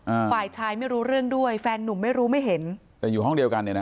อ่าฝ่ายชายไม่รู้เรื่องด้วยแฟนนุ่มไม่รู้ไม่เห็นแต่อยู่ห้องเดียวกันเนี่ยนะ